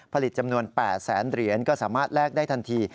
ผลิตจำนวน๘แสนเหรียญก็สามารถแลกได้ทันที